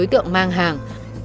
đối tượng mang hàng